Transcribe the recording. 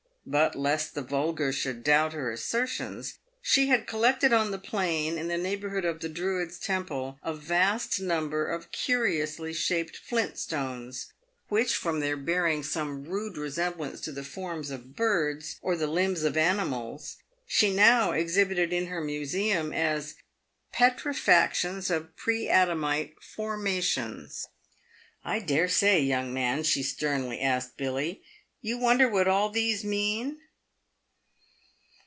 But, lest the vulgar should doubt her assertions, she had collected on the plain, in the neighbourhood of the Druids' temple, a vast number of curiously shaped flint stones, which, from their bear ing some rude resemblance to the forms of birds, or the limbs of animals, she now exhibited in her museum as " petrifactions of pre Adamite formations." " I dare say, young man," she sternly asked Billy, "you wonder what all these mean